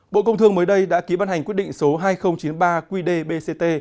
bộ công thương mới đây đã ký ban hành quyết định số hai nghìn chín mươi ba qdbct